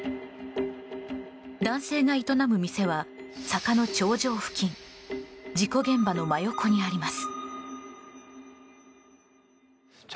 男性が営む店は、坂の頂上付近事故現場の真横にあります。